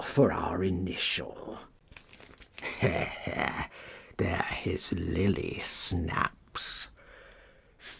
for our initial! (He he! There his lily snaps!)